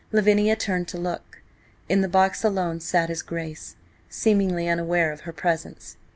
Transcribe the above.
Lavinia turned to look. In the box, alone, sat his Grace, seemingly unaware of her presence.